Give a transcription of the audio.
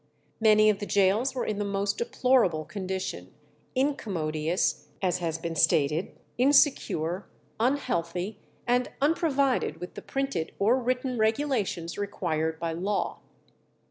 Many of the gaols were in the most deplorable condition: incommodious, as has been stated, insecure, unhealthy, and unprovided with the printed or written regulations required by law.